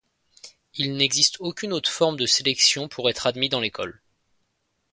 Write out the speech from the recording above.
Il n'existe aucune autre forme de sélection pour être admis dans l'école.